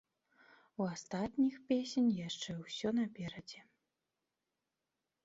У астатніх песень яшчэ ўсё наперадзе.